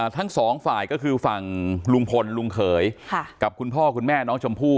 ทั้งสองฝ่ายก็คือฝั่งลุงพลลุงเขยกับคุณพ่อคุณแม่น้องชมพู่